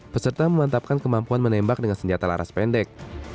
peserta memantapkan kemampuan menembak dengan senjata laras pendek